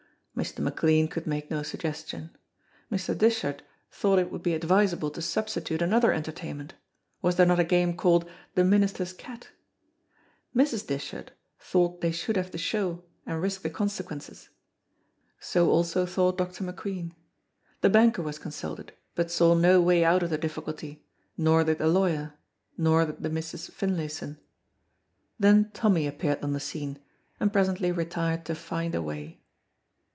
Mr. McLean could make no suggestion. Mr. Dishart thought it would be advisable to substitute another entertainment; was there not a game called "The Minister's Cat"? Mrs. Dishart thought they should have the show and risk the consequences. So also thought Dr. McQueen. The banker was consulted, but saw no way out of the difficulty, nor did the lawyer, nor did the Misses Finlayson. Then Tommy appeared on the scene, and presently retired to find a way.